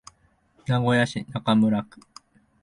名古屋市中村区